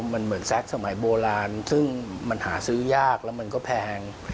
มันเหมือนแซคสมัยโบราณซึ่งมันหาซื้อยากแล้วมันก็แพง